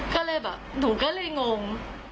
ก็เลยแบบหนูก็เลยงง